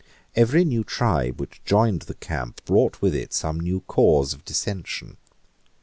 Every new tribe which joined the camp brought with it some new cause of dissension.